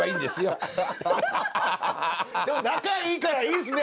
でも仲いいからいいですね。